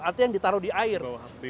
artinya yang ditaruh di air